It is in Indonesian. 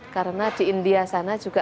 karena di india sana juga